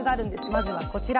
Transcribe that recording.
まずはこちら。